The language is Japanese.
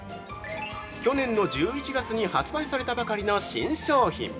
◆去年の１１月に発売されたばかりの新商品！